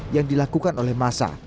yang dilakukan oleh masa